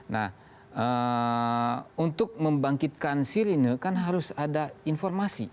nah untuk membangkitkan sirine kan harus ada informasi